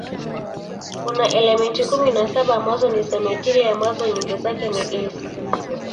Kuna elementi kumi na saba ambazo ni simetili ambazo nyingi zake ni gesi.